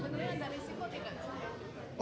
beneran ada resiko tidak